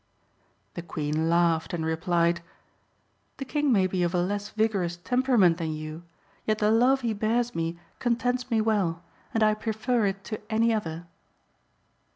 The Queen laughed and replied "The King may be of a less vigorous temperament than you, yet the love he bears me contents me well, and I prefer it to any other."